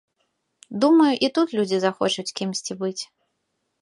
Думаю, і тут людзі захочуць кімсьці быць.